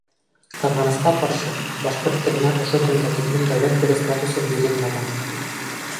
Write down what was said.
Ҡыҙғанысҡа ҡаршы, башҡорт теленә ошо көнгә тиклем дәүләт теле статусы бирелмәгән.